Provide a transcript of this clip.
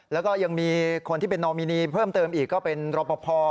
แล้วก็ยังมีคนที่เป็นนอมินีเพิ่มเติมอีกก็เป็นรอปภ